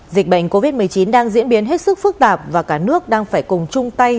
dịch bệnh covid một mươi chín đang diễn biến hết sức phức tạp và cả nước đang phải cùng chung tay